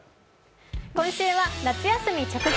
今週は「夏休み直前！